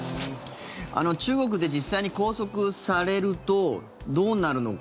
中国で実際に拘束されるとどうなるのか。